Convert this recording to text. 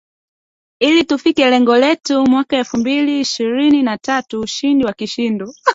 ili tufikie lengo letu mwaka elfu mbili ishrini na tatu ushindi wa kishindo